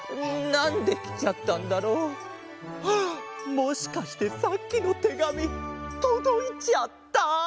もしかしてさっきのてがみとどいちゃった？